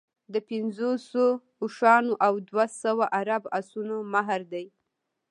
د پنځوسو اوښانو او دوه سوه عرب اسونو مهر دی.